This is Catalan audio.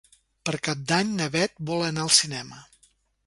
Per Cap d'Any na Bet vol anar al cinema.